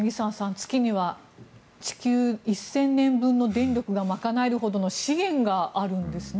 月には地球１０００年分の電力が賄えるほどの資源があるんですね。